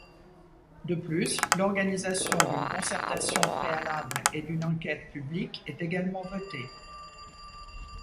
De plus, l'organisation d'une concertation préalable et d'une enquête publique est également votée.